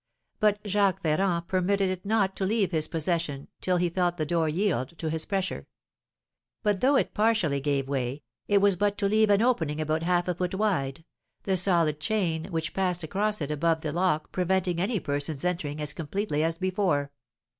But Jacques Ferrand permitted it not to leave his possession till he felt the door yield to his pressure. But though it partially gave way, it was but to leave an opening about half a foot wide, the solid chain which passed across it above the lock preventing any person's entering as completely as before.